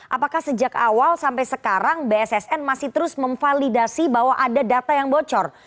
apakah sejak awal sampai sekarang bssn masih terus memvalidasi bahwa ada data yang bocor